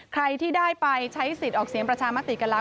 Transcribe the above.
ใครที่ได้ไปใช้สิทธิ์ออกเสียงประชามติกันแล้ว